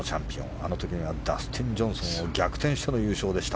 あの時がダスティン・ジョンソンを逆転しての優勝でした。